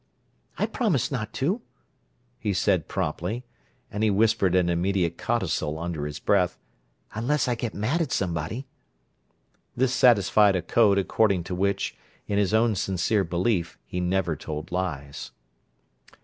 "I promise not to," he said promptly—and he whispered an immediate codicil under his breath: "Unless I get mad at somebody!" This satisfied a code according to which, in his own sincere belief, he never told lies.